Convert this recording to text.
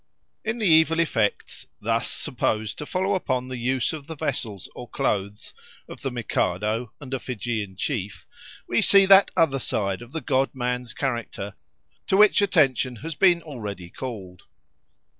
In the evil effects thus supposed to follow upon the use of the vessels or clothes of the Mikado and a Fijian chief we see that other side of the god man's character to which attention has been already called.